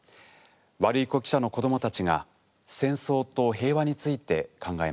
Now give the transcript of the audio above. ワルイコ記者の子どもたちが戦争と平和について考えました。